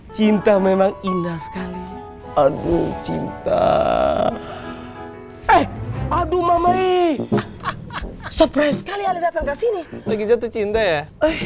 cinta memang indah sekali aduh cinta eh aduh mama ee surprise kali datang ke sini lagi jatuh cinta ya